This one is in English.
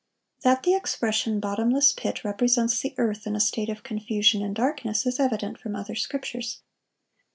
(1143) That the expression "bottomless pit" represents the earth in a state of confusion and darkness, is evident from other scriptures.